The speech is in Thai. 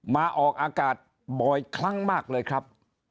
ออกอากาศบ่อยครั้งมากเลยครับ